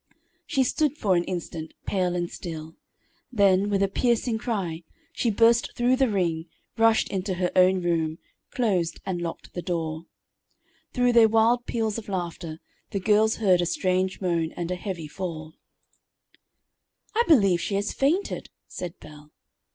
She stood for an instant, pale and still, then, with a piercing cry, she burst through the ring, rushed into her own room, closed and locked the door. Through their wild peals of laughter, the girls heard a strange moan and a heavy fall. [Illustration: "She begged piteously to be released."] "I believe she has fainted," said Belle.